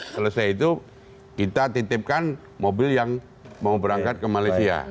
selesai itu kita titipkan mobil yang mau berangkat ke malaysia